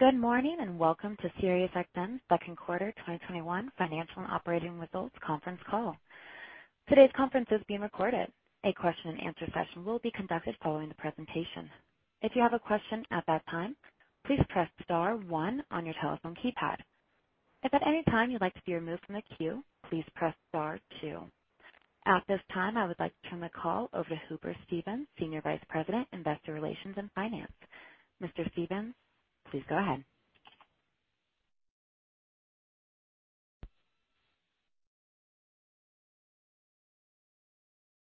Good morning, welcome to SiriusXM's second quarter 2021 financial and operating results conference call. Today's conference is being recorded. A question and answer session will be conducted following the presentation. If you have a question at that time, please press star one on your telephone keypad. If at any time you'd like to be removed from the queue, please press star two. At this time, I would like to turn the call over to Hooper Stevens, Senior Vice President, Investor Relations and Finance. Mr. Stevens, please go ahead.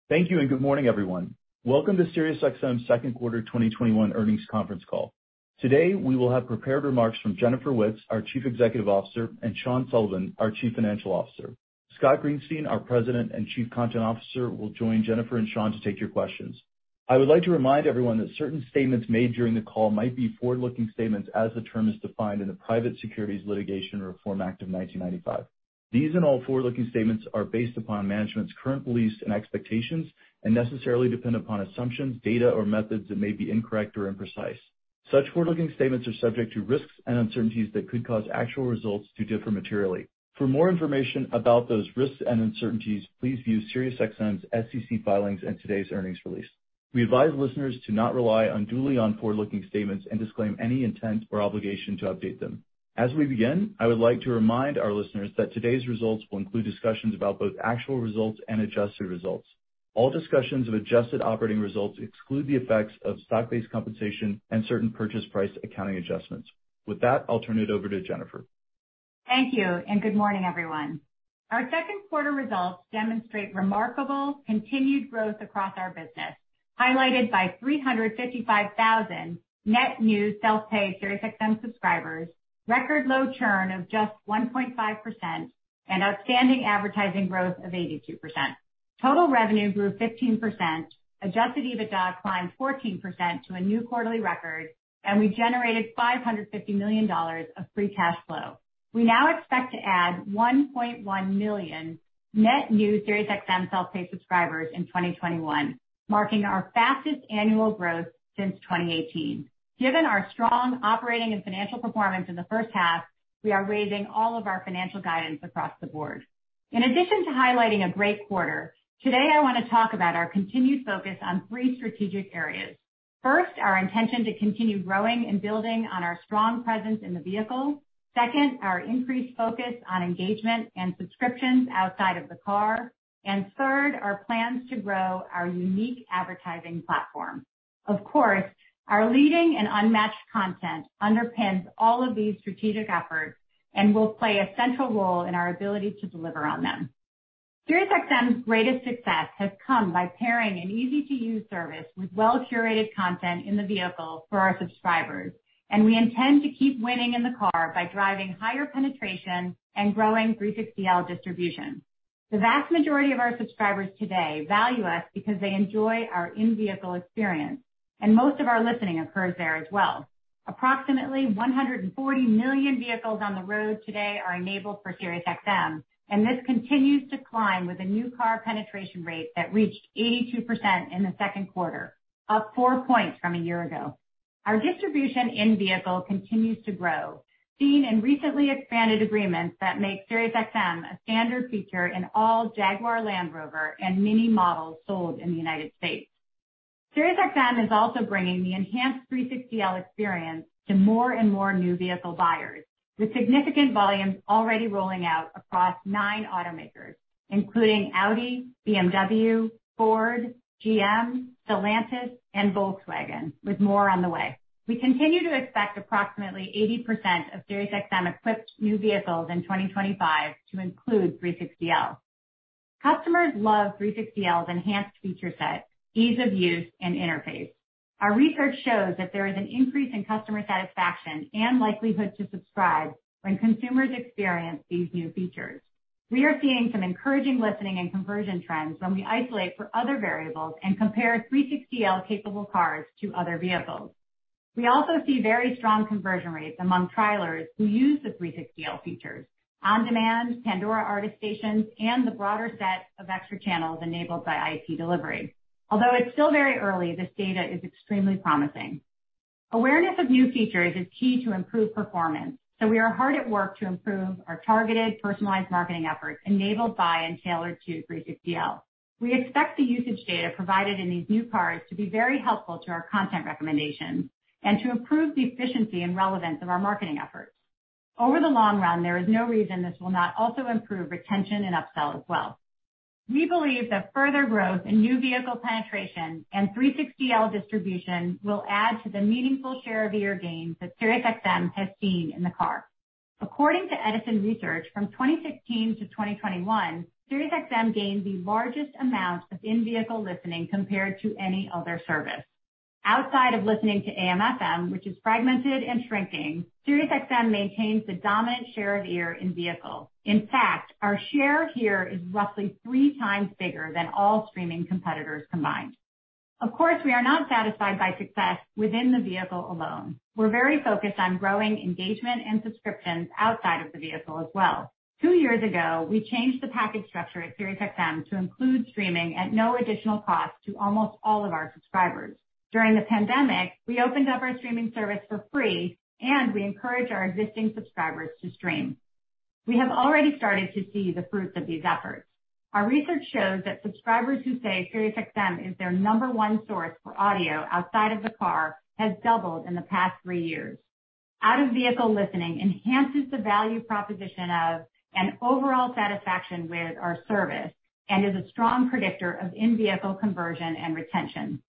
Thank you, good morning, everyone. Welcome to SiriusXM's second quarter 2021 earnings conference call. Today, we will have prepared remarks from Jennifer Witz, our Chief Executive Officer, and Sean Sullivan, our Chief Financial Officer. Scott Greenstein, our President and Chief Content Officer, will join Jennifer and Sean to take your questions. I would like to remind everyone that certain statements made during the call might be forward-looking statements as the term is defined in the Private Securities Litigation Reform Act of 1995. These and all forward-looking statements are based upon management's current beliefs and expectations and necessarily depend upon assumptions, data, or methods that may be incorrect or imprecise. Such forward-looking statements are subject to risks and uncertainties that could cause actual results to differ materially. For more information about those risks and uncertainties, please view SiriusXM's SEC filings and today's earnings release. We advise listeners to not rely unduly on forward-looking statements and disclaim any intent or obligation to update them. As we begin, I would like to remind our listeners that today's results will include discussions about both actual results and adjusted results. All discussions of adjusted operating results exclude the effects of stock-based compensation and certain purchase price accounting adjustments. With that, I'll turn it over to Jennifer. Thank you, good morning, everyone. Our second quarter results demonstrate remarkable continued growth across our business, highlighted by 355,000 net new self-pay SiriusXM subscribers, record low churn of just 1.5%, and outstanding advertising growth of 82%. Total revenue grew 15%, adjusted EBITDA climbed 14% to a new quarterly record, and we generated $550 million of free cash flow. We now expect to add 1.1 million net new SiriusXM self-pay subscribers in 2021, marking our fastest annual growth since 2018. Given our strong operating and financial performance in the first half, we are raising all of our financial guidance across the board. In addition to highlighting a great quarter, today I want to talk about our continued focus on three strategic areas. First, our intention to continue growing and building on our strong presence in the vehicle. Second, our increased focus on engagement and subscriptions outside of the car. Third, our plans to grow our unique advertising platform. Our leading and unmatched content underpins all of these strategic efforts and will play a central role in our ability to deliver on them. SiriusXM's greatest success has come by pairing an easy-to-use service with well-curated content in the vehicle for our subscribers, and we intend to keep winning in the car by driving higher penetration and growing 360L distribution. The vast majority of our subscribers today value us because they enjoy our in-vehicle experience, and most of our listening occurs there as well. Approximately 140 million vehicles on the road today are enabled for SiriusXM, and this continues to climb with a new car penetration rate that reached 82% in the second quarter, up 4 points from a year ago. Our distribution in-vehicle continues to grow, seen in recently expanded agreements that make SiriusXM a standard feature in all Jaguar Land Rover and MINI models sold in the U.S. SiriusXM is also bringing the enhanced 360L experience to more and more new vehicle buyers, with significant volumes already rolling out across nine automakers, including Audi, BMW, Ford, GM, Stellantis, and Volkswagen, with more on the way. We continue to expect approximately 80% of SiriusXM-equipped new vehicles in 2025 to include 360L. Customers love 360L's enhanced feature set, ease of use, and interface. Our research shows that there is an increase in customer satisfaction and likelihood to subscribe when consumers experience these new features. We are seeing some encouraging listening and conversion trends when we isolate for other variables and compare 360L-capable cars to other vehicles. We also see very strong conversion rates among trialers who use the 360L features, on-demand Pandora artist stations, and the broader set of extra channels enabled by IP delivery. Although it's still very early, this data is extremely promising. Awareness of new features is key to improved performance, so we are hard at work to improve our targeted, personalized marketing efforts enabled by and tailored to 360L. We expect the usage data provided in these new cars to be very helpful to our content recommendations and to improve the efficiency and relevance of our marketing efforts. Over the long run, there is no reason this will not also improve retention and upsell as well. We believe that further growth in new vehicle penetration and 360L distribution will add to the meaningful share of ear gains that SiriusXM has seen in the car. According to Edison Research, from 2016 to 2021, SiriusXM gained the largest amount of in-vehicle listening compared to any other service. Outside of listening to AM/FM, which is fragmented and shrinking, SiriusXM maintains the dominant share of ear in-vehicle. In fact, our share here is roughly three times bigger than all streaming competitors combined. Of course, we are not satisfied by success within the vehicle alone. We're very focused on growing engagement and subscriptions outside of the vehicle as well. two years ago, we changed the package structure at SiriusXM to include streaming at no additional cost to almost all of our subscribers. During the pandemic, we opened up our streaming service for free, and we encouraged our existing subscribers to stream. We have already started to see the fruits of these efforts. Our research shows that subscribers who say SiriusXM is their number one source for audio outside of the car has doubled in the past three years. Out-of-vehicle listening enhances the value proposition of and overall satisfaction with our service and is a strong predictor of in-vehicle conversion and retention.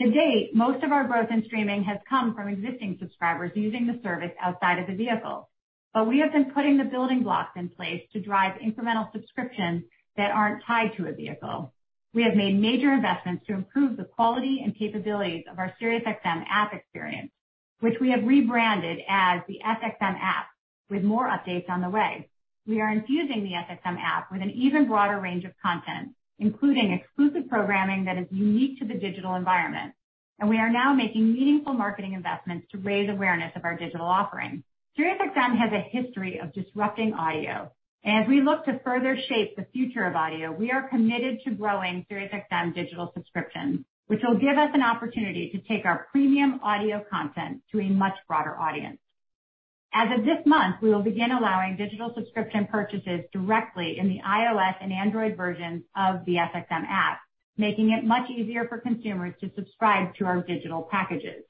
To date, most of our growth in streaming has come from existing subscribers using the service outside of the vehicle, but we have been putting the building blocks in place to drive incremental subscriptions that aren't tied to a vehicle. We have made major investments to improve the quality and capabilities of our SiriusXM app experience, which we have rebranded as the SXM app with more updates on the way. We are infusing the SXM app with an even broader range of content, including exclusive programming that is unique to the digital environment. We are now making meaningful marketing investments to raise awareness of our digital offering. SiriusXM has a history of disrupting audio, and as we look to further shape the future of audio, we are committed to growing SiriusXM digital subscriptions, which will give us an opportunity to take our premium audio content to a much broader audience. As of this month, we will begin allowing digital subscription purchases directly in the iOS and Android versions of the SXM app, making it much easier for consumers to subscribe to our digital packages.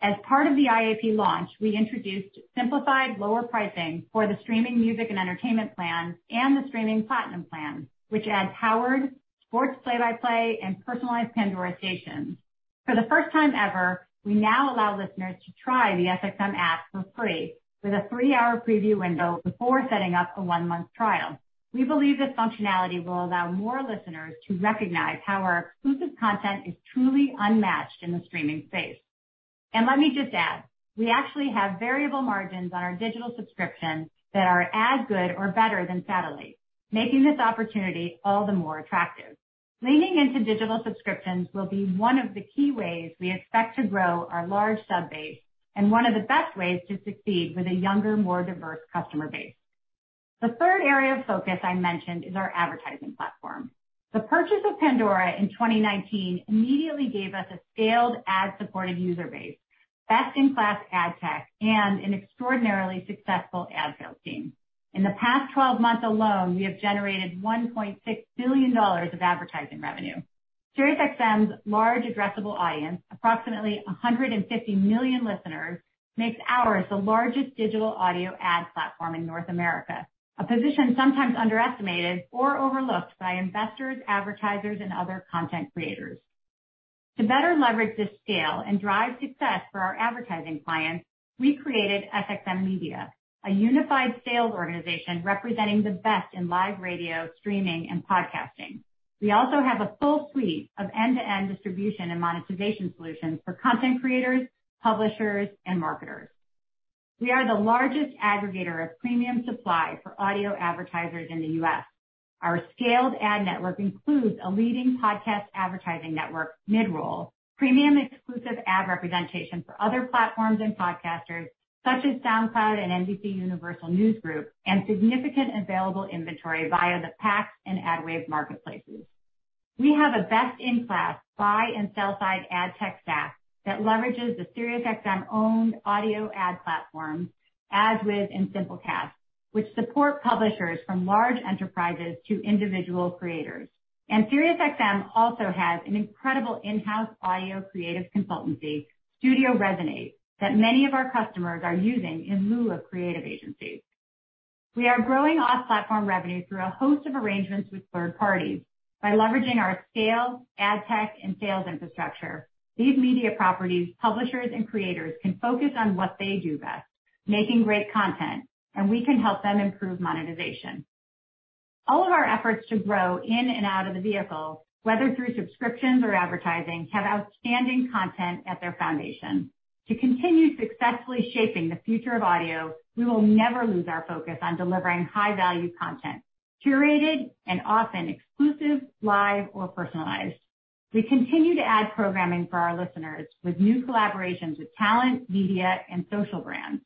As part of the IAP launch, we introduced simplified lower pricing for the streaming music and entertainment plan and the streaming Platinum plan, which adds Howard, sports play-by-play, and personalized Pandora stations. For the first time ever, we now allow listeners to try the SXM app for free with a three-hour preview window before setting up a one-month trial. We believe this functionality will allow more listeners to recognize how our exclusive content is truly unmatched in the streaming space. Let me just add, we actually have variable margins on our digital subscriptions that are as good or better than satellite, making this opportunity all the more attractive. Leaning into digital subscriptions will be one of the key ways we expect to grow our large sub-base and one of the best ways to succeed with a younger, more diverse customer base. The third area of focus I mentioned is our advertising platform. The purchase of Pandora in 2019 immediately gave us a scaled ad-supported user base, best-in-class ad tech, and an extraordinarily successful ad sales team. In the past 12 months alone, we have generated $1.6 billion of advertising revenue. SiriusXM's large addressable audience, approximately 150 million listeners, makes ours the largest digital audio ad platform in North America, a position sometimes underestimated or overlooked by investors, advertisers, and other content creators. To better leverage this scale and drive success for our advertising clients, we created SXM Media, a unified sales organization representing the best in live radio streaming and podcasting. We also have a full suite of end-to-end distribution and monetization solutions for content creators, publishers, and marketers. We are the largest aggregator of premium supply for audio advertisers in the U.S. Our scaled ad network includes a leading podcast advertising network, Midroll, premium exclusive ad representation for other platforms and podcasters such as SoundCloud and NBCUniversal News Group, and significant available inventory via the PAX and AdWave marketplaces. We have a best-in-class buy and sell-side ad tech stack that leverages the SiriusXM-owned audio ad platforms, AdsWizz and Simplecast, which support publishers from large enterprises to individual creators. SiriusXM also has an incredible in-house audio creative consultancy, Studio Resonate, that many of our customers are using in lieu of creative agencies. We are growing off-platform revenue through a host of arrangements with third parties by leveraging our scale, ad tech, and sales infrastructure. These media properties, publishers, and creators can focus on what they do best, making great content, and we can help them improve monetization. All of our efforts to grow in and out of the vehicle, whether through subscriptions or advertising, have outstanding content at their foundation. To continue successfully shaping the future of audio, we will never lose our focus on delivering high-value content, curated and often exclusive, live, or personalized. We continue to add programming for our listeners with new collaborations with talent, media, and social brands.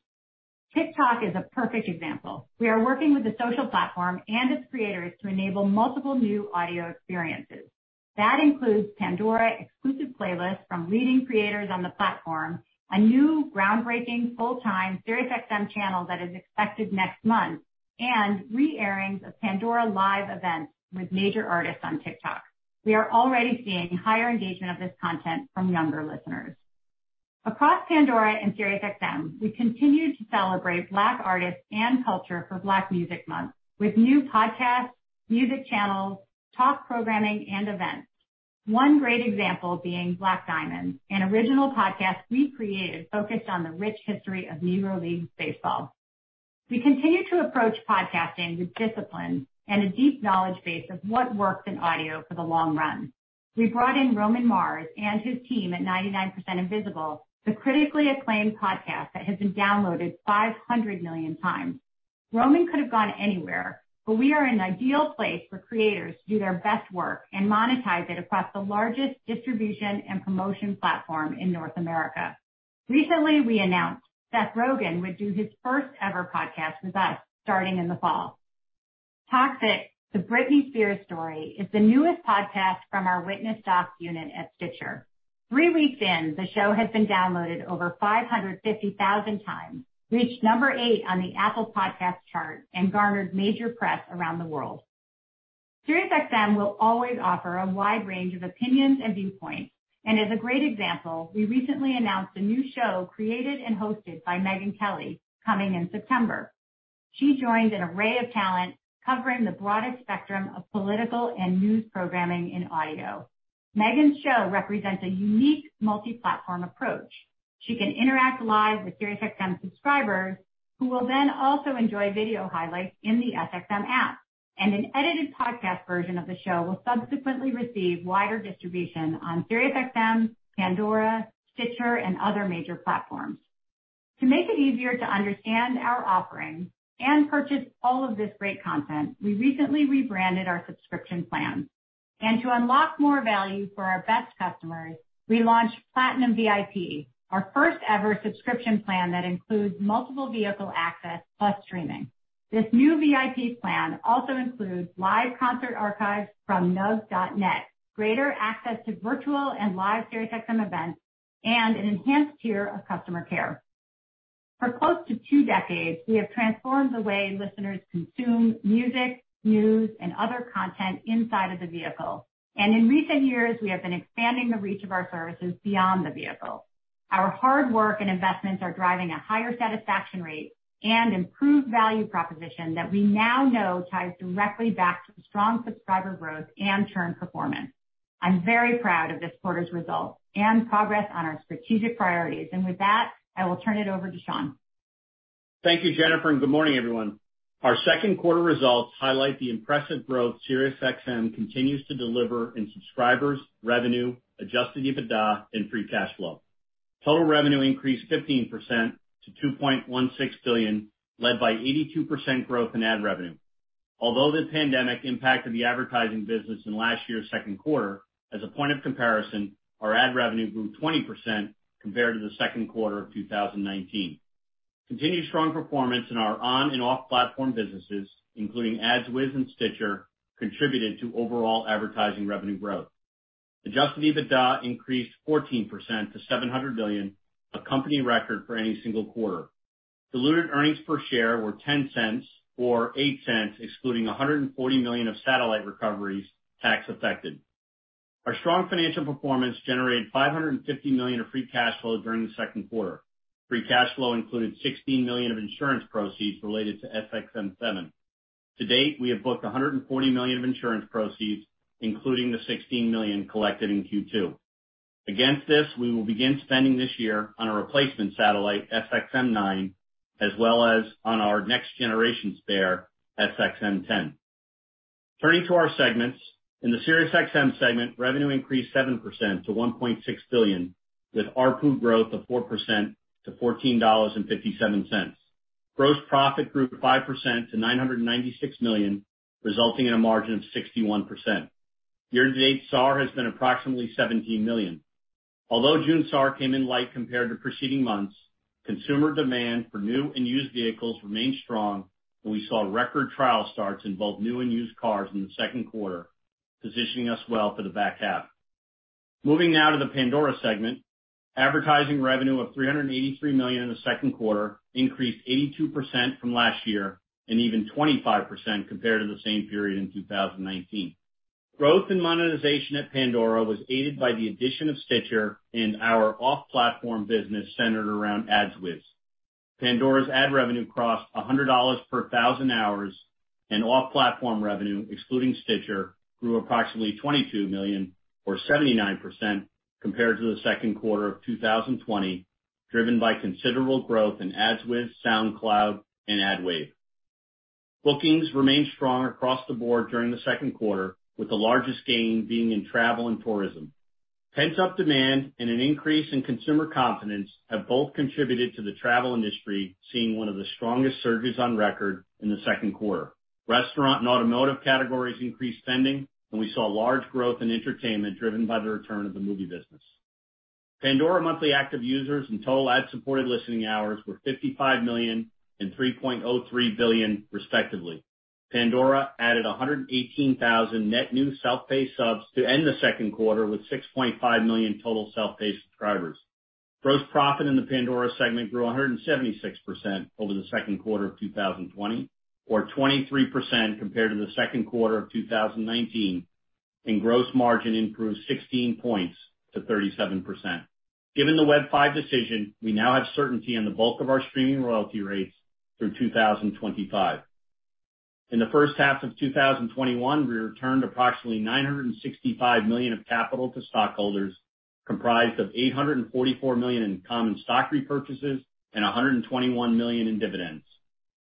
TikTok is a perfect example. We are working with the social platform and its creators to enable multiple new audio experiences. That includes Pandora exclusive playlists from leading creators on the platform, a new groundbreaking full-time SiriusXM channel that is expected next month, and re-airings of Pandora live events with major artists on TikTok. We are already seeing higher engagement of this content from younger listeners. Across Pandora and SiriusXM, we continue to celebrate Black artists and culture for Black Music Month with new podcasts, music channels, talk programming, and events. One great example being Black Diamond, an original podcast we created focused on the rich history of Negro League baseball. We continue to approach podcasting with discipline and a deep knowledge base of what works in audio for the long run. We brought in Roman Mars and his team at 99% Invisible, the critically acclaimed podcast that has been downloaded 500 million times. Roman could have gone anywhere, but we are an ideal place for creators to do their best work and monetize it across the largest distribution and promotion platform in North America. Recently, we announced Seth Rogen would do his first-ever podcast with us starting in the fall. "Toxic: The Britney Spears Story" is the newest podcast from our Witness Docs unit at Stitcher. Three weeks in, the show has been downloaded over 550,000 times, reached number eight on the Apple podcast chart, and garnered major press around the world. SiriusXM will always offer a wide range of opinions and viewpoints, and as a great example, we recently announced a new show created and hosted by Megyn Kelly, coming in September. She joins an array of talent covering the broadest spectrum of political and news programming in audio. Megyn's show represents a unique multi-platform approach. She can interact live with SiriusXM subscribers, who will then also enjoy video highlights in the SXM app, and an edited podcast version of the show will subsequently receive wider distribution on SiriusXM, Pandora, Stitcher, and other major platforms. To make it easier to understand our offerings and purchase all of this great content, we recently rebranded our subscription plan. To unlock more value for our best customers, we launched Platinum VIP, our first-ever subscription plan that includes multiple vehicle access plus streaming. This new VIP plan also includes live concert archives from nugs.net, greater access to virtual and live SiriusXM events, and an enhanced tier of customer care. For close to two decades, we have transformed the way listeners consume music, news, and other content inside of the vehicle. In recent years, we have been expanding the reach of our services beyond the vehicle. Our hard work and investments are driving a higher satisfaction rate and improved value proposition that we now know ties directly back to strong subscriber growth and churn performance. I'm very proud of this quarter's results and progress on our strategic priorities. With that, I will turn it over to Sean. Thank you, Jennifer, and good morning, everyone. Our second quarter results highlight the impressive growth SiriusXM continues to deliver in subscribers, revenue, adjusted EBITDA, and free cash flow. Total revenue increased 15% to $2.16 billion, led by 82% growth in ad revenue. The pandemic impacted the advertising business in last year's second quarter, as a point of comparison, our ad revenue grew 20% compared to the second quarter of 2019. Continued strong performance in our on and off-platform businesses, including AdsWizz and Stitcher, contributed to overall advertising revenue growth. Adjusted EBITDA increased 14% to $700 million, a company record for any single quarter. Diluted earnings per share were $0.10, or $0.08 excluding $140 million of satellite recoveries, tax affected. Our strong financial performance generated $550 million of free cash flow during the second quarter. Free cash flow included $16 million of insurance proceeds related to SXM-7. To date, we have booked $140 million of insurance proceeds, including the $16 million collected in Q2. Against this, we will begin spending this year on a replacement satellite, SXM-9, as well as on our next generation spare, SXM-10. Turning to our segments, in the SiriusXM segment, revenue increased 7% to $1.6 billion, with ARPU growth of 4% to $14.57. Gross profit grew 5% to $996 million, resulting in a margin of 61%. Year-to-date SAAR has been approximately $17 million. Although June SAAR came in light compared to preceding months, consumer demand for new and used vehicles remained strong, and we saw record trial starts in both new and used cars in the second quarter, positioning us well for the back half. Moving now to the Pandora segment, advertising revenue of $383 million in the second quarter increased 82% from last year and even 25% compared to the same period in 2019. Growth in monetization at Pandora was aided by the addition of Stitcher and our off-platform business centered around AdsWizz. Pandora's ad revenue crossed $100 per thousand hours and off-platform revenue, excluding Stitcher, grew approximately $22 million or 79% compared to the second quarter of 2020, driven by considerable growth in AdsWizz, SoundCloud, and AdWave. Bookings remained strong across the board during the second quarter, with the largest gain being in travel and tourism. Pent-up demand and an increase in consumer confidence have both contributed to the travel industry seeing one of the strongest surges on record in the second quarter. Restaurant and automotive categories increased spending, and we saw large growth in entertainment driven by the return of the movie business. Pandora monthly active users and total ad-supported listening hours were 55 million and 3.03 billion respectively. Pandora added 118,000 net new self-pay subs to end the second quarter with 6.5 million total self-pay subscribers. Gross profit in the Pandora segment grew 176% over the second quarter of 2020 or 23% compared to the second quarter of 2019, and gross margin improved 16 points to 37%. Given the Web V decision, we now have certainty on the bulk of our streaming royalty rates through 2025. In the first half of 2021, we returned approximately $965 million of capital to stockholders, comprised of $844 million in common stock repurchases and $121 million in dividends.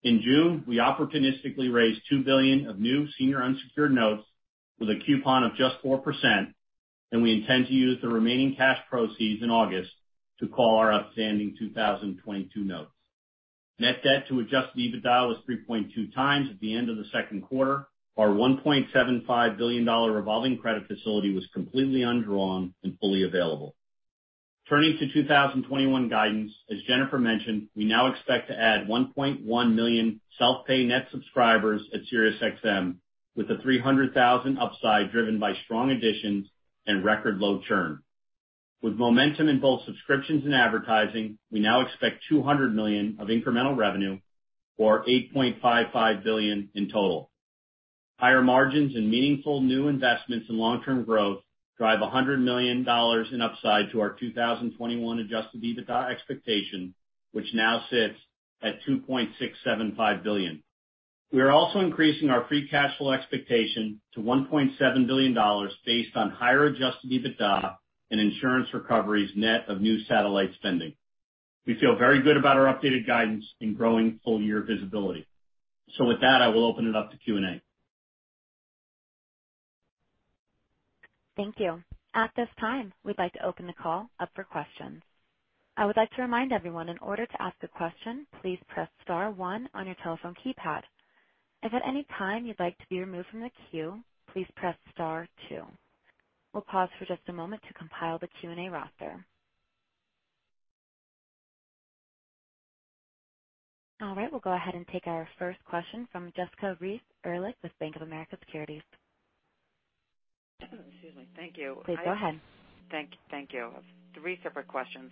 In June, we opportunistically raised $2 billion of new senior unsecured notes with a coupon of just 4%. We intend to use the remaining cash proceeds in August to call our upstanding 2022 notes. Net debt to adjusted EBITDA was 3.2 times at the end of the second quarter. Our $1.75 billion revolving credit facility was completely undrawn and fully available. Turning to 2021 guidance, as Jennifer mentioned, we now expect to add 1.1 million self-pay net subscribers at SiriusXM, with a 300,000 upside driven by strong additions and record low churn. With momentum in both subscriptions and advertising, we now expect $200 million of incremental revenue or $8.55 billion in total. Higher margins and meaningful new investments in long-term growth drive $100 million in upside to our 2021 adjusted EBITDA expectation, which now sits at $2.675 billion. We are also increasing our free cash flow expectation to $1.7 billion based on higher adjusted EBITDA and insurance recoveries net of new satellite spending. We feel very good about our updated guidance in growing full year visibility. With that, I will open it up to Q&A. Thank you. At this time, we'd like to open the call up for questions. All right, we'll go ahead and take our first question from Jessica Reif Ehrlich with Bank of America Securities. Excuse me. Thank you. Please go ahead. Thank you. Three separate questions.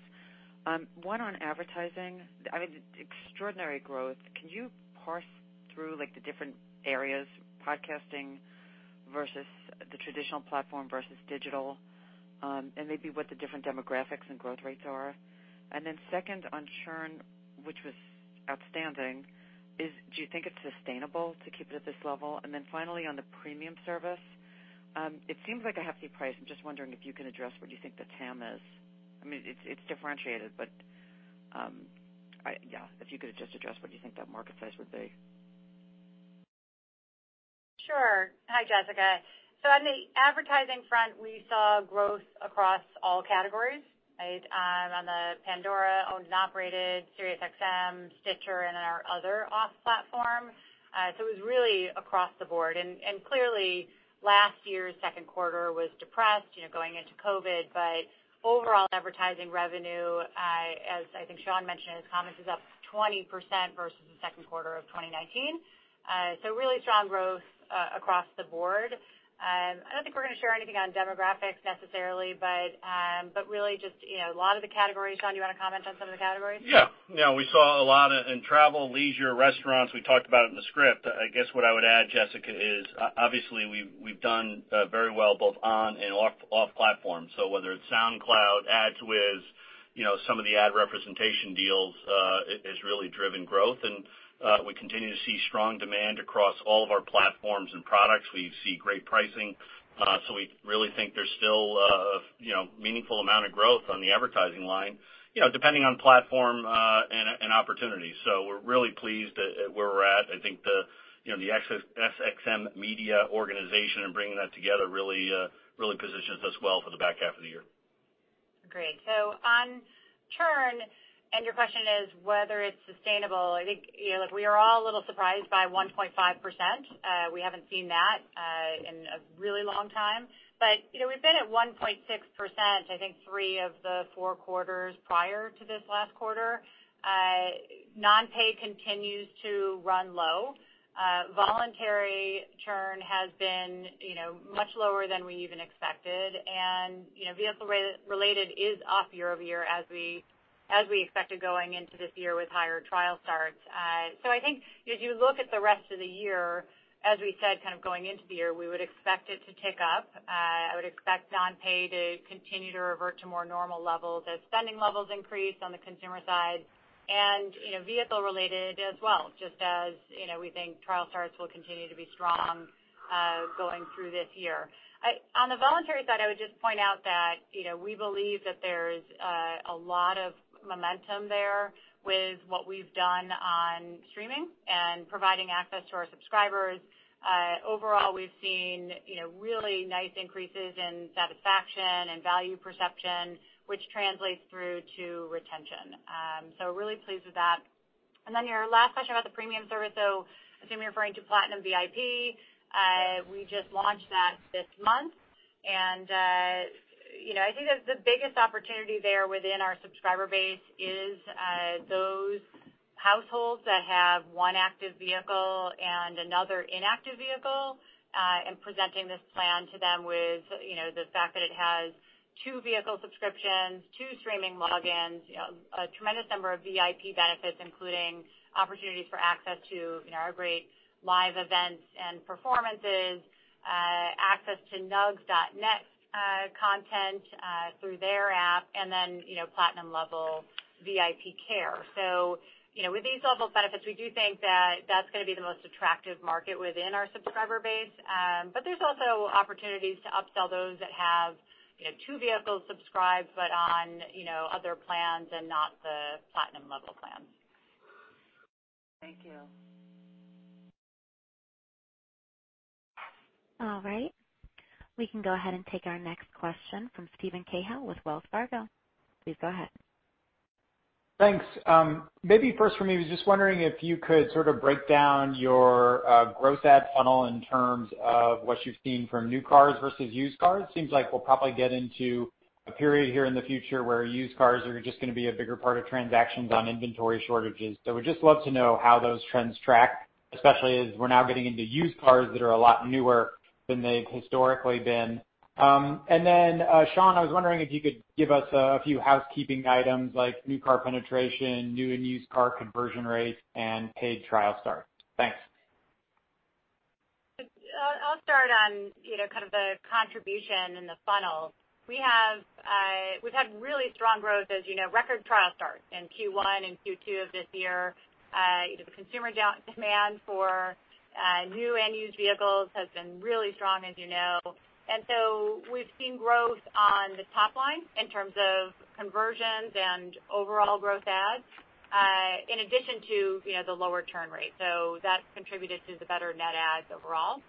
One on advertising. Extraordinary growth. Can you parse through the different areas, podcasting versus the traditional platform versus digital, and maybe what the different demographics and growth rates are? Second, on churn, which was outstanding, do you think it's sustainable to keep it at this level? Finally, on the premium service, it seems like a hefty price. I'm just wondering if you can address what you think the TAM is. It's differentiated, but if you could just address what you think that marketplace would be. Sure. Hi, Jessica. On the advertising front, we saw growth across all categories on the Pandora owned and operated, SiriusXM, Stitcher, and our other off platform. It was really across the board. Clearly last year's second quarter was depressed going into COVID, but overall advertising revenue, as I think Sean mentioned in his comments, is up 20% versus the second quarter of 2019. Really strong growth across the board. I don't think we're going to share anything on demographics necessarily, but really just a lot of the categories. Sean, you want to comment on some of the categories? Yeah. We saw a lot in travel, leisure, restaurants. We talked about it in the script. I guess what I would add, Jessica, is obviously we've done very well both on and off platform. Whether it's SoundCloud, AdsWizz, some of the ad representation deals has really driven growth, and we continue to see strong demand across all of our platforms and products. We see great pricing. We really think there's still a meaningful amount of growth on the advertising line depending on platform and opportunity. We're really pleased at where we're at. I think the SXM Media organization and bringing that together really positions us well for the back half of the year. Great. On churn, and your question is whether it's sustainable. I think we are all a little surprised by 1.5%. We haven't seen that in a really long time. We've been at 1.6%, I think, three of the four quarters prior to this last quarter. Non-pay continues to run low. Voluntary churn has been much lower than we even expected, and vehicle-related is up year-over-year as we expected going into this year with higher trial starts. I think as you look at the rest of the year, as we said, kind of going into the year, we would expect it to tick up. I would expect non-pay to continue to revert to more normal levels as spending levels increase on the consumer side and vehicle related as well, just as we think trial starts will continue to be strong going through this year. On the voluntary side, I would just point out that we believe that there's a lot of momentum there with what we've done on streaming and providing access to our subscribers. Overall, we've seen really nice increases in satisfaction and value perception, which translates through to retention. Really pleased with that. Your last question about the premium service, so I assume you're referring to Platinum VIP. We just launched that this month, and I think that the biggest opportunity there within our subscriber base is those households that have one active vehicle and another inactive vehicle, and presenting this plan to them with the fact that it has two vehicle subscriptions, two streaming logins, a tremendous number of VIP benefits, including opportunities for access to our great live events and performances, access to nugs.net content through their app, and then Platinum level VIP care. With these level benefits, we do think that that's going to be the most attractive market within our subscriber base. There's also opportunities to upsell those that have two vehicles subscribed, but on other plans and not the Platinum level plans. Thank you. All right. We can go ahead and take our next question from Steven Cahall with Wells Fargo. Please go ahead. Thanks. Maybe first for me, I was just wondering if you could sort of break down your gross add funnel in terms of what you've seen from new cars versus used cars. Seems like we'll probably get into a period here in the future where used cars are just going to be a bigger part of transactions on inventory shortages. Would just love to know how those trends track, especially as we're now getting into used cars that are a lot newer than they've historically been. Sean, I was wondering if you could give us a few housekeeping items like new car penetration, new and used car conversion rates, and paid trial starts. Thanks. I'll start on kind of the contribution and the funnels. We've had really strong growth, as you know, record trial starts in Q1 and Q2 of this year. The consumer demand for new and used vehicles has been really strong, as you know. We've seen growth on the top line in terms of conversions and overall gross adds, in addition to the lower churn rate. That's contributed to the better net adds overall.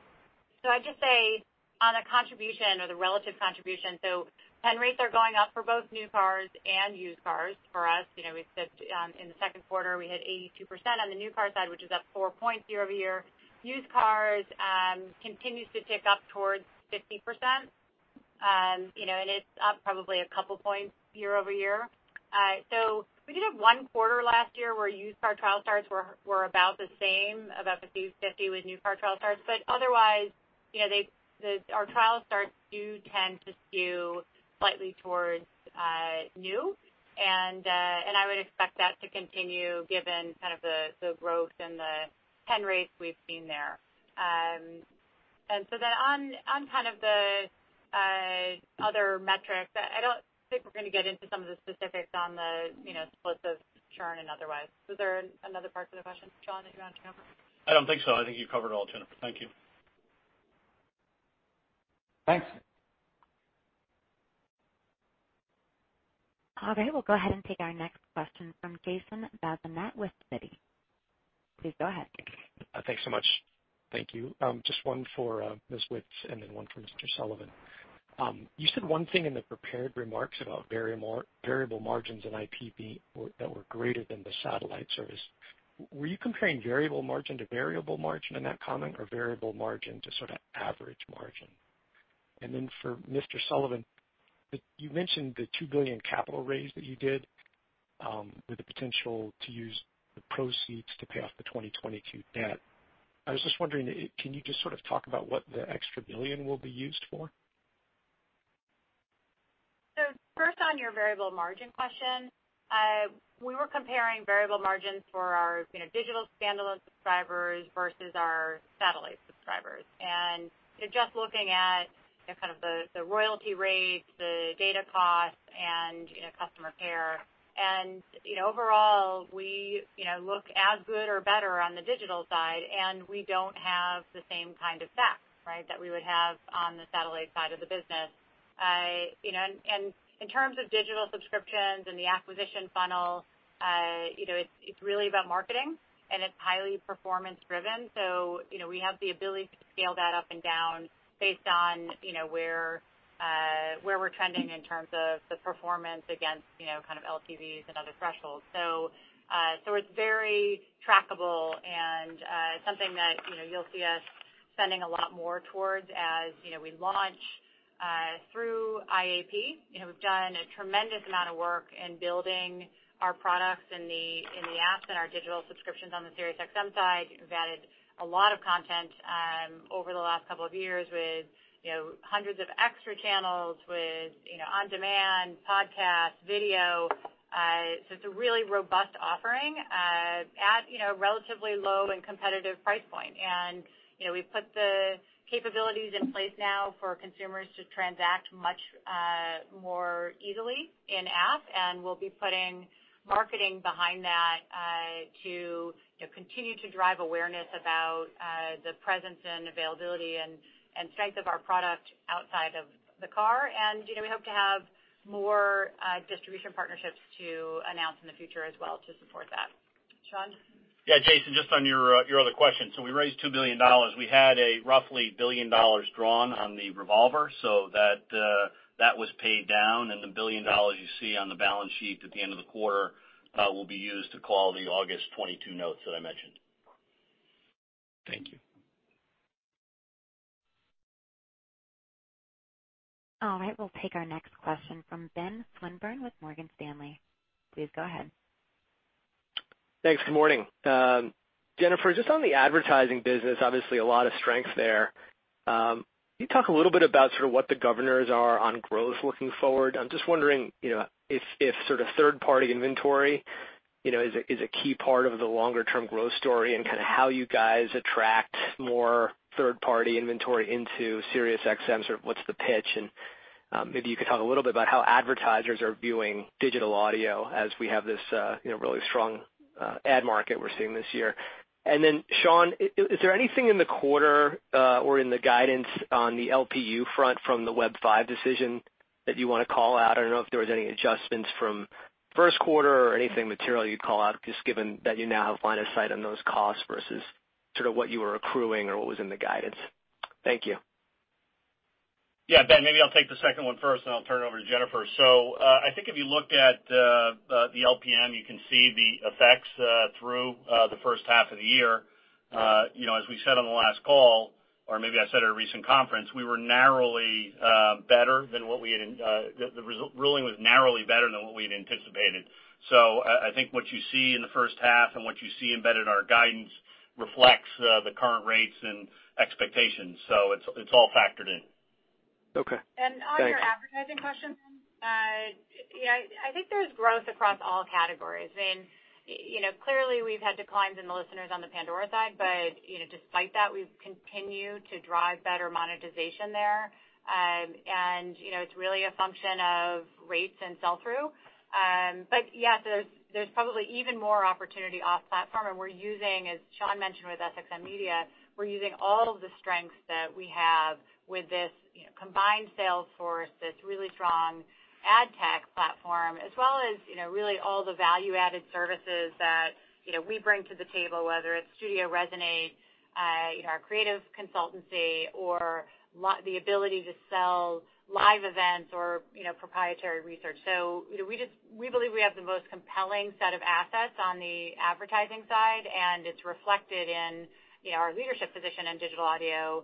I'd just say on a contribution or the relative contribution, so pen rates are going up for both new cars and used cars for us. We said in the second quarter we hit 82% on the new car side, which is up 4 points year-over-year. Used cars continues to tick up towards 50%, and it's up probably 2 points year-over-year. We did have one quarter last year where used car trial starts were about the same, about 50 with new car trial starts. Otherwise, our trial starts do tend to skew slightly towards new, and I would expect that to continue given the growth and the pen rates we've seen there. On the other metrics, I don't think we're going to get into some of the specifics on the splits of churn and otherwise. Was there another part to the question, Sean, that you wanted to cover? I don't think so. I think you covered it all, Jennifer. Thank you. Thanks. All right. We'll go ahead and take our next question from Jason Bazinet with Citi. Please go ahead. Thanks so much. Thank you. Just 1 for Ms. Witz and then one for Sean Sullivan. You said one thing in the prepared remarks about variable margins in IPV that were greater than the satellite service. Were you comparing variable margin to variable margin in that comment, or variable margin to sort of average margin? For Sean Sullivan, you mentioned the $2 billion capital raise that you did with the potential to use the proceeds to pay off the 2022 debt. I was just wondering, can you just sort of talk about what the extra $1 billion will be used for? First on your variable margin question, we were comparing variable margins for our digital standalone subscribers versus our satellite subscribers, just looking at kind of the royalty rates, the data costs and customer care. Overall we look as good or better on the digital side and we don't have the same kind of effects, right, that we would have on the satellite side of the business. In terms of digital subscriptions and the acquisition funnel, it's really about marketing and it's highly performance driven. We have the ability to scale that up and down based on where we're trending in terms of the performance against LTVs and other thresholds. It's very trackable and something that you'll see us spending a lot more towards as we launch through IAP. We've done a tremendous amount of work in building our products in the apps and our digital subscriptions on the SiriusXM side. We've added a lot of content over the last couple of years with hundreds of extra channels with on-demand podcasts, video. It's a really robust offering at a relatively low and competitive price point. We've put the capabilities in place now for consumers to transact much more easily in-app, and we'll be putting marketing behind that to continue to drive awareness about the presence and availability and strength of our product outside of the car. We hope to have more distribution partnerships to announce in the future as well to support that. Sean? Yeah, Jason, just on your other question. We raised $2 billion. We had a roughly $1 billion drawn on the revolver. That was paid down, and the $1 billion you see on the balance sheet at the end of the quarter will be used to call the August 2022 notes that I mentioned. Thank you. All right. We'll take our next question from Ben Swinburne with Morgan Stanley. Please go ahead. Thanks. Good morning. Jennifer, just on the advertising business, obviously a lot of strength there. Can you talk a little bit about sort of what the governors are on growth looking forward? I'm just wondering if sort of third-party inventory is a key part of the longer-term growth story and kind of how you guys attract more third-party inventory into SiriusXM, sort of what's the pitch? Maybe you could talk a little bit about how advertisers are viewing digital audio as we have this really strong ad market we're seeing this year. Then, Sean, is there anything in the quarter or in the guidance on the LPU front from the Web V decision that you want to call out? I don't know if there was any adjustments from first quarter or anything material you'd call out, just given that you now have line of sight on those costs versus sort of what you were accruing or what was in the guidance. Thank you. Yeah, Ben, maybe I'll take the second one first, then I'll turn it over to Jennifer. I think if you look at the LPM, you can see the effects through the first half of the year. As we said on the last call, or maybe I said at a recent conference, the ruling was narrowly better than what we had anticipated. I think what you see in the first half and what you see embedded in our guidance reflects the current rates and expectations. It's all factored in. Okay. Thanks. On your advertising question, Ben Swinburne, I think there's growth across all categories. Clearly, we've had declines in the listeners on the Pandora side, but despite that, we've continued to drive better monetization there. It's really a function of rates and sell-through. Yeah, there's probably even more opportunity off-platform, and we're using, as Sean Sullivan mentioned with SXM Media, we're using all of the strengths that we have with this combined sales force, this really strong ad tech platform, as well as really all the value-added services that we bring to the table, whether it's Studio Resonate, our creative consultancy, or the ability to sell live events or proprietary research. We believe we have the most compelling set of assets on the advertising side, and it's reflected in our leadership position in digital audio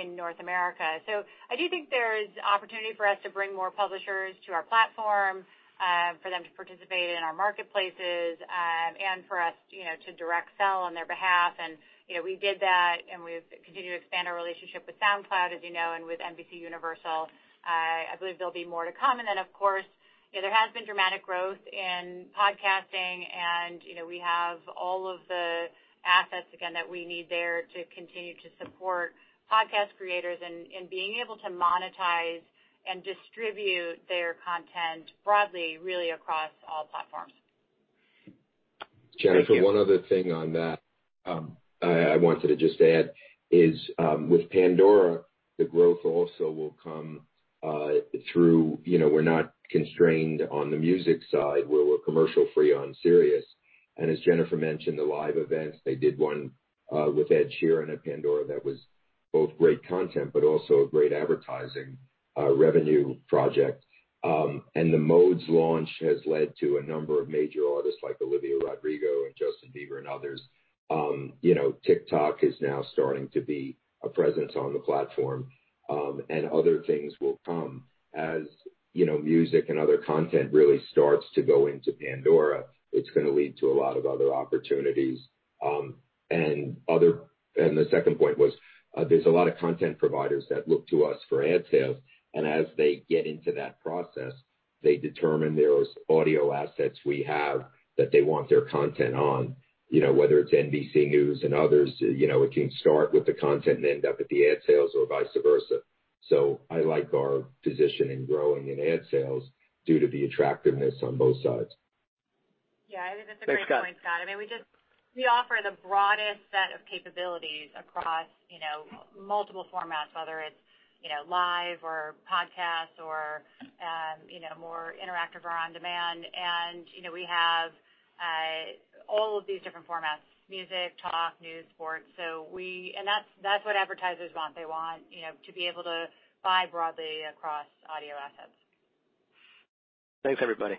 in North America. I do think there's opportunity for us to bring more publishers to our platform, for them to participate in our marketplaces, and for us to direct sell on their behalf. We did that and we've continued to expand our relationship with SoundCloud, as you know, and with NBCUniversal. I believe there'll be more to come. Of course, there has been dramatic growth in podcasting, and we have all of the assets, again, that we need there to continue to support podcast creators and being able to monetize and distribute their content broadly, really across all platforms. Thank you. Jennifer, one other thing on that I wanted to just add is, with Pandora, the growth also will come through. We're not constrained on the music side. We're commercial free on Sirius. As Jennifer mentioned, the live events, they did one with Ed Sheeran at Pandora that was both great content but also a great advertising revenue project. The Modes launch has led to a number of major artists like Olivia Rodrigo and Justin Bieber and others. TikTok is now starting to be a presence on the platform. Other things will come. As music and other content really starts to go into Pandora, it's going to lead to a lot of other opportunities. The second point was, there's a lot of content providers that look to us for ad sales. As they get into that process, they determine those audio assets we have that they want their content on, whether it's NBC News and others. It can start with the content and end up at the ad sales or vice versa. I like our position in growing in ad sales due to the attractiveness on both sides. Yeah, I think that's a great point, Scott. Thanks, Scott. We offer the broadest set of capabilities across multiple formats, whether it's live or podcasts or more interactive or on-demand. We have all of these different formats, music, talk, news, sports. That's what advertisers want. They want to be able to buy broadly across audio assets. Thanks, everybody.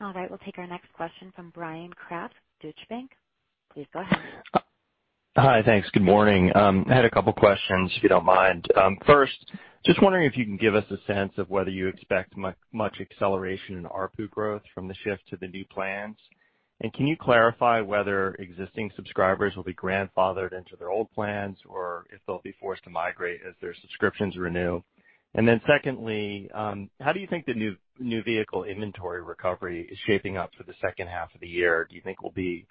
All right. We'll take our next question from Bryan Kraft, Deutsche Bank. Please go ahead. Hi. Thanks. Good morning. I had a couple questions, if you don't mind. Just wondering if you can give us a sense of whether you expect much acceleration in ARPU growth from the shift to the new plans. Can you clarify whether existing subscribers will be grandfathered into their old plans or if they'll be forced to migrate as their subscriptions renew? Secondly, how do you think the new vehicle inventory recovery is shaping up for the second half of the year? Do you think we'll be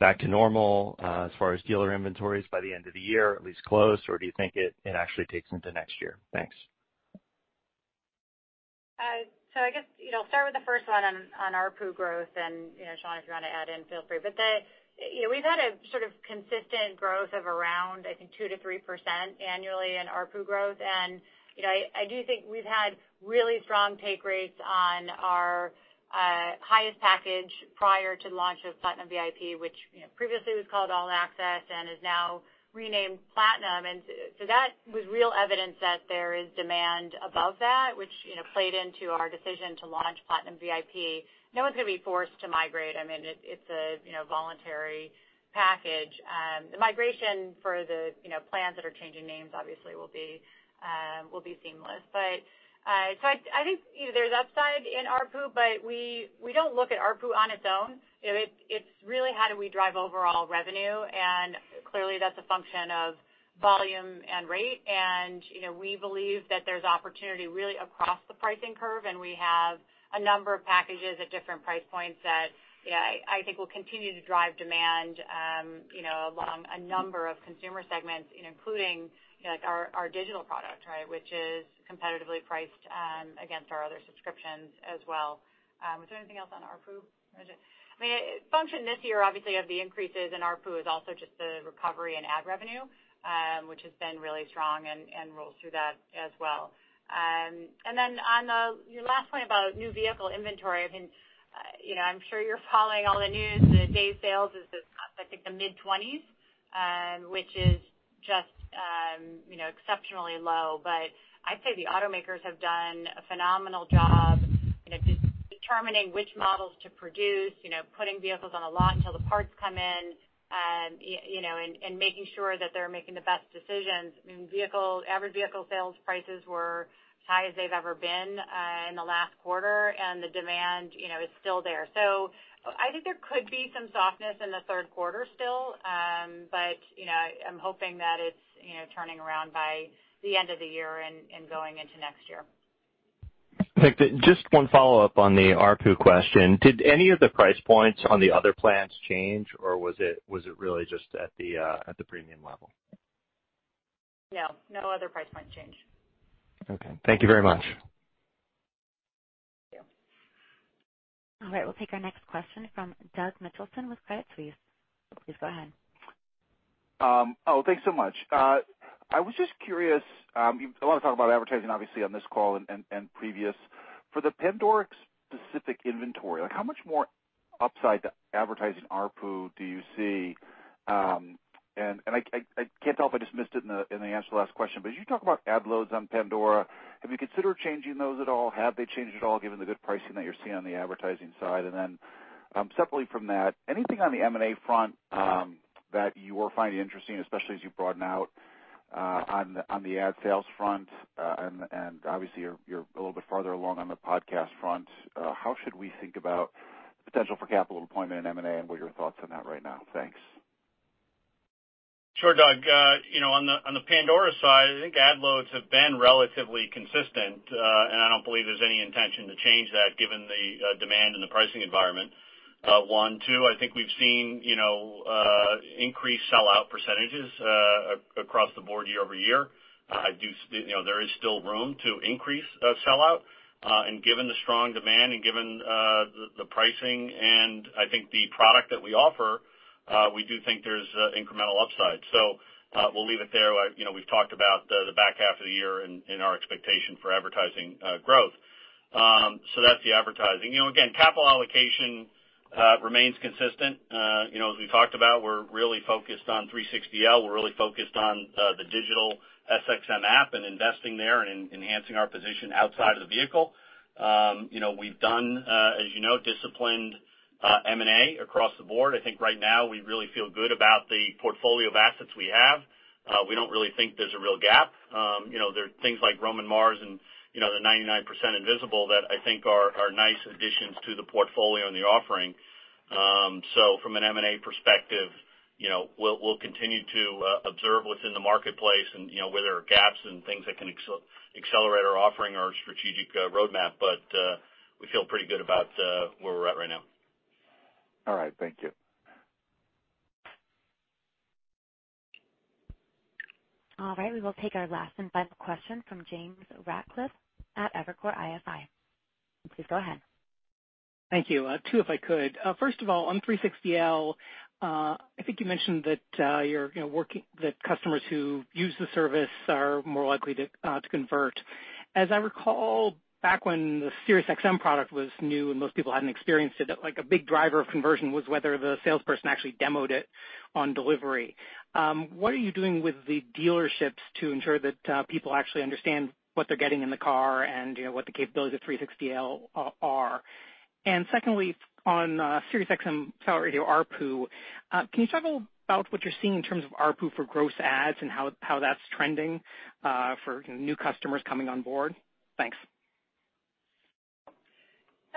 back to normal as far as dealer inventories by the end of the year, at least close, or do you think it actually takes into next year? Thanks. I guess I'll start with the first one on ARPU growth, and Sean, if you want to add in, feel free. We've had a sort of consistent growth of around, I think, 2%-3% annually in ARPU growth. I do think we've had really strong take rates on our highest package prior to the launch of Platinum VIP, which previously was called All Access and is now renamed Platinum. That was real evidence that there is demand above that, which played into our decision to launch Platinum VIP. No one's going to be forced to migrate. It's a voluntary package. The migration for the plans that are changing names obviously will be seamless. I think there's upside in ARPU, but we don't look at ARPU on its own. It's really how do we drive overall revenue, clearly that's a function of volume and rate. We believe that there's opportunity really across the pricing curve, we have a number of packages at different price points that I think will continue to drive demand along a number of consumer segments, including our digital product, which is competitively priced against our other subscriptions as well. Was there anything else on ARPU? A function this year, obviously, of the increases in ARPU is also just the recovery in ad revenue, which has been really strong and rolls through that as well. On your last point about new vehicle inventory, I'm sure you're following all the news. The day sales is, I think, the mid-20s, which is just exceptionally low. I'd say the automakers have done a phenomenal job determining which models to produce, putting vehicles on a lot until the parts come in, and making sure that they're making the best decisions. Average vehicle sales prices were as high as they've ever been in the last quarter, and the demand is still there. I think there could be some softness in the third quarter still. I'm hoping that it's turning around by the end of the year and going into next year. Nick, just one follow-up on the ARPU question. Did any of the price points on the other plans change, or was it really just at the premium level? No. No other price point changed. Okay. Thank you very much. Thank you. All right. We'll take our next question from Doug Mitchelson with Credit Suisse. Please go ahead. Oh, thanks so much. I was just curious. A lot of talk about advertising, obviously, on this call and previous. For the Pandora-specific inventory, how much more upside to advertising ARPU do you see? I can't tell if I just missed it in the answer to the last question, but as you talk about ad loads on Pandora, have you considered changing those at all? Have they changed at all given the good pricing that you're seeing on the advertising side? Separately from that, anything on the M&A front that you are finding interesting, especially as you broaden out on the ad sales front? Obviously, you're a little bit farther along on the podcast front. How should we think about the potential for capital deployment in M&A, and what are your thoughts on that right now? Thanks. Sure, Doug. I don't believe there's any intention to change that given the demand and the pricing environment, one. Two, I think we've seen increased sell-out percentage across the board year-over-year. There is still room to increase sell-out. Given the strong demand and given the pricing and, I think, the product that we offer, we do think there's incremental upside. We'll leave it there. We've talked about the back half of the year and our expectation for advertising growth. That's the advertising. Again, capital allocation remains consistent. As we talked about, we're really focused on 360L. We're really focused on the digital SXM app and investing there and enhancing our position outside of the vehicle. We've done, as you know, disciplined M&A across the board. I think right now we really feel good about the portfolio of assets we have. We don't really think there's a real gap. There are things like Roman Mars and the 99% Invisible that I think are nice additions to the portfolio and the offering. From an M&A perspective, we'll continue to observe what's in the marketplace and where there are gaps and things that can accelerate our offering or strategic roadmap. We feel pretty good about where we're at right now. All right. Thank you. All right. We will take our last and final question from James Ratcliffe at Evercore ISI. Please go ahead. Thank you. Two, if I could. First of all, on 360L, I think you mentioned that customers who use the service are more likely to convert. As I recall, back when the SiriusXM product was new and most people hadn't experienced it, a big driver of conversion was whether the salesperson actually demoed it on delivery. What are you doing with the dealerships to ensure that people actually understand what they're getting in the car and what the capabilities of 360L are? Secondly, on Sirius XM Satellite Radio ARPU, can you talk a little about what you're seeing in terms of ARPU for gross adds and how that's trending for new customers coming on board? Thanks.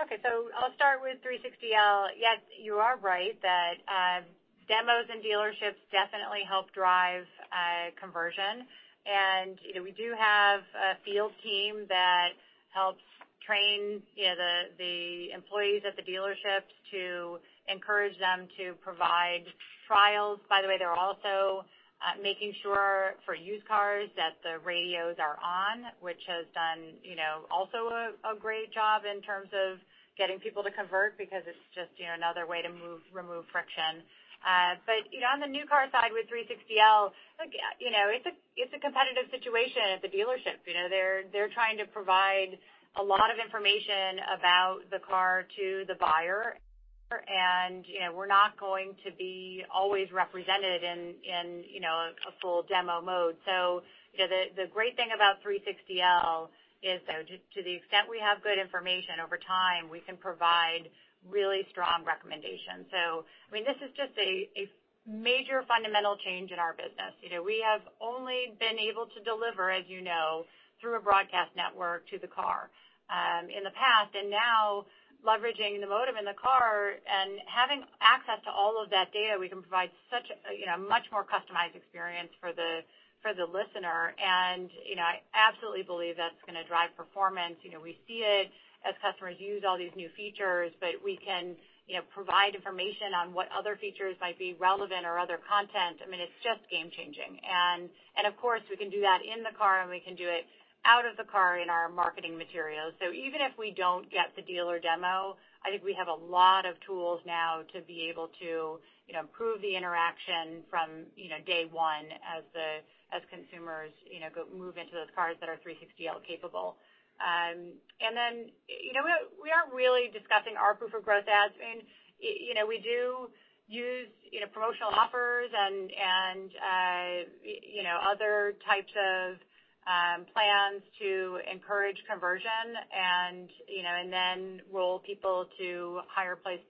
Okay, I'll start with 360L. Yes, you are right that demos in dealerships definitely help drive conversion. We do have a field team that helps train the employees at the dealerships to encourage them to provide trials. By the way, they're also making sure for used cars that the radios are on, which has done also a great job in terms of getting people to convert because it's just another way to remove friction. On the new car side with 360L, it's a competitive situation at the dealership. They're trying to provide a lot of information about the car to the buyer, and we're not going to be always represented in a full demo mode. The great thing about 360L is to the extent we have good information over time, we can provide really strong recommendations. This is just a major fundamental change in our business. We have only been able to deliver, as you know, through a broadcast network to the car in the past. Now leveraging the modem in the car and having access to all of that data, we can provide a much more customized experience for the listener. I absolutely believe that's going to drive performance. We see it as customers use all these new features, but we can provide information on what other features might be relevant or other content. It's just game-changing. Of course, we can do that in the car and we can do it out of the car in our marketing materials. Even if we don't get the dealer demo, I think we have a lot of tools now to be able to improve the interaction from day one as consumers move into those cars that are 360L capable. We aren't really discussing ARPU for growth adds. We do use promotional offers and other types of plans to encourage conversion and then roll people to higher-priced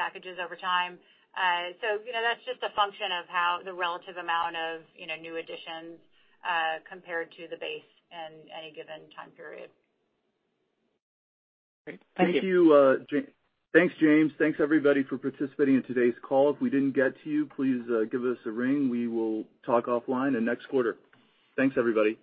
packages over time. That's just a function of the relative amount of new additions compared to the base in any given time period. Great. Thank you. Thanks, James. Thanks, everybody, for participating in today's call. If we didn't get to you, please give us a ring. We will talk offline and next quarter. Thanks, everybody.